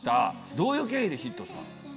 どういう経緯でヒットしたんですか？